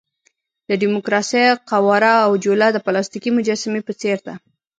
د ډیموکراسۍ قواره او جوله د پلاستیکي مجسمې په څېر ده.